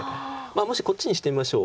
もしこっちにしてみましょう。